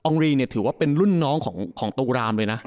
องเรีย์ถือว่าเป็นรุ่นน้องของโตราม